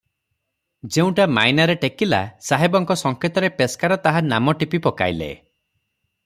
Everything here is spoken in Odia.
ଯେଉଁଟା ମାଇନାରେ ଟେକିଲା, ସାହେବଙ୍କ ସଙ୍କେତରେ ପେସ୍କାର ତାହା ନାମ ଟିପି ପକାଇଲେ ।